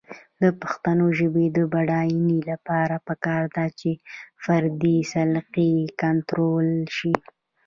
د پښتو ژبې د بډاینې لپاره پکار ده چې فردي سلیقې کنټرول شي.